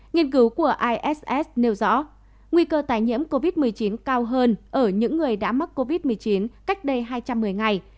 nghiên cứu của iss nêu rõ nguy cơ tái nhiễm covid một mươi chín cao hơn ở những người đã mắc covid một mươi chín cách đây hai trăm một mươi ngày